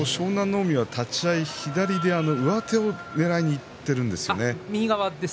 海は立ち合い左で上手をねらいにいってるんですよね。